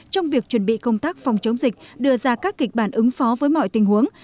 trong việc chuẩn bị công tác phòng chống dịch đưa ra các kịch bản ứng phó với mọi tình huống